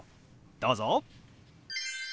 どうぞ。